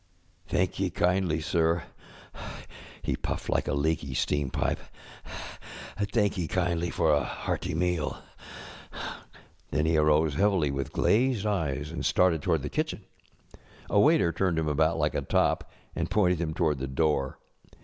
'thankee kindly, sir, ŌĆØ he puffed like a leaky steam pipe; ŌĆ£thankee kindly for a hearty meal. ŌĆØ Then he arose heavily with glazed eyes and started toward the kitchen. A waiter turned him about like a top, and pointed him toward the door.